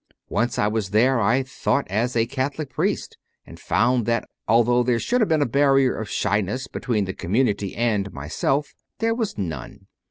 Once I was there, I thought, as a Catholic priest, and found that, although there should have been a barrier of shyness between the community and myself, there was none.